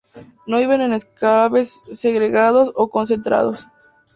No viven en enclaves segregados o concentrados.